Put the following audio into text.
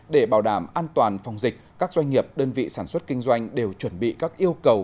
để bảo đảm an toàn phòng dịch các doanh nghiệp đơn vị sản xuất kinh doanh đều chuẩn bị các yêu cầu